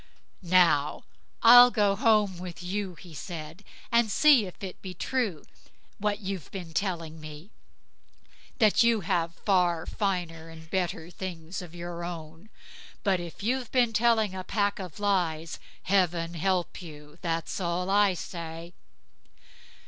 "Now I'll go home with you", he said, "and see if it be true what you've been telling me, that you have far finer and better things of your own. But if you've been telling a pack of lies, Heaven help you, that's all I say."